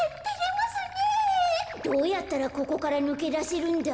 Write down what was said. どうやったらここからぬけだせるんだ？